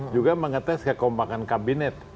juga mengetes kekompakan kabinet